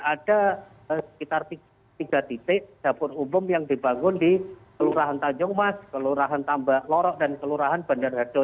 ada sekitar tiga titik dapur umum yang dibangun di kelurahan tanjung mas kelurahan tambak lorok dan kelurahan bandar harjo